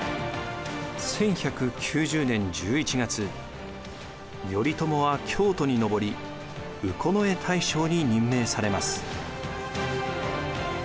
１１９０年１１月頼朝は京都に上り右近衛大将に任命されます。